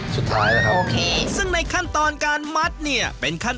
สู่ขั้นตอนนี้จริงใช้แรงคนเลย